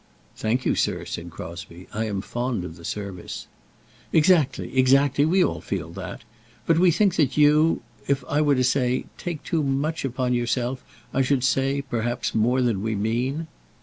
"Thank you, sir," said Crosbie; "I am fond of the service." "Exactly, exactly; we all feel that. But we think that you, if I were to say take too much upon yourself, I should say, perhaps, more than we mean."